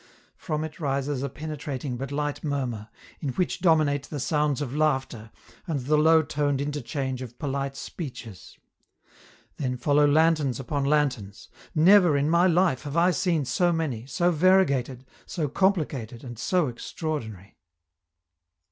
From it rises a penetrating but light murmur, in which dominate the sounds of laughter, and the low toned interchange of polite speeches. Then follow lanterns upon lanterns. Never in my life have I seen so many, so variegated, so complicated, and so extraordinary.